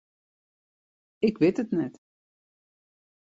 Ik wit it net.